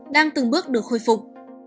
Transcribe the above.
đang từng bước được khôi phục